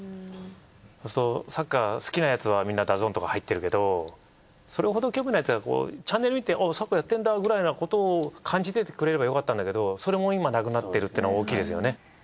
そうするとサッカー好きなやつはみんなＤＡＺＮとか入ってるけどそれほど興味ないやつはチャンネル見てサッカーやってるんだくらいのことを感じててくれればよかったんだけどそれも今なくなっているっていうのは大きいですよね。